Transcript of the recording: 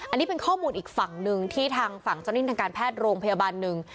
อันนี้เป็นข้อมูลอีกฝั่งหนึ่งที่ทางฝั่งเจ้านิ่งทางการแพทย์โรงพยาบาลหนึ่ง